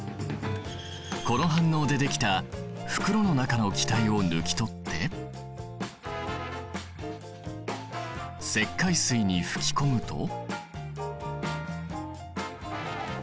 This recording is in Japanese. この反応でできた袋の中の気体を抜き取って石灰水に吹き込むと。